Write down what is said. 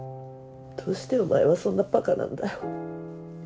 どうしてお前はそんなばかなんだよ。